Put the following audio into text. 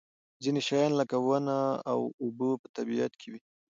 ځینې شیان لکه ونه او اوبه په طبیعت کې وي.